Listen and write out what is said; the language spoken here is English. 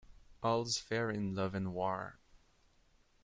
All's fair in love and war.